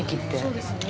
そうですね。